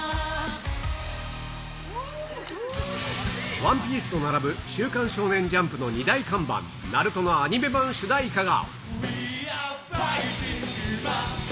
ＯＮＥＰＩＥＣＥと並ぶ週刊少年ジャンプの２大看板、ＮＡＲＵＴＯのアニメ版主題歌が。